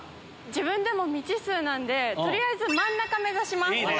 自分でも未知数なんで取りあえず真ん中目指します。